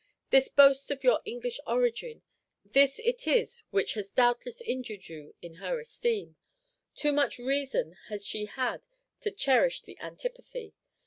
This boast of your English origin, this it is which has doubtless injured you in her esteem. Too much reason has she had to cherish the antipathy!